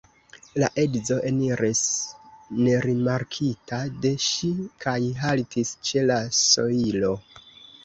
La edzo eniris nerimarkita de ŝi kaj haltis ĉe la sojlo.